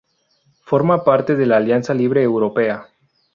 Forma parte de la Alianza Libre Europea.